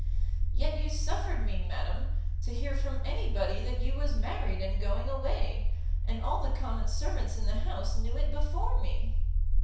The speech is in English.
"Yet you suffered me, madam, to hear from any body that you was married and going away; and all the common servants in the house knew it before me."